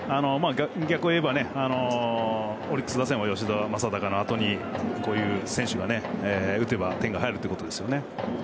逆を言えば、オリックス打線は吉田正尚のあとにこういう選手が打てば点が入るということですよね。